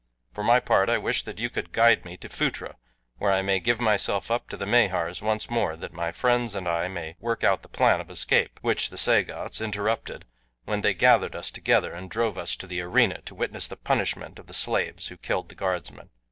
For my part I wish that you could guide me to Phutra where I may give myself up to the Mahars once more that my friends and I may work out the plan of escape which the Sagoths interrupted when they gathered us together and drove us to the arena to witness the punishment of the slaves who killed the guardsman.